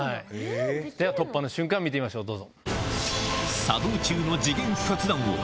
では突破の瞬間見てみましょうどうぞ。